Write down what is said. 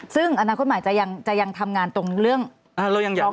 ซึ่งอนาคตหมายจะยังทำงานตรงเรื่องร้องคะแนนอย่างนี้ค่ะ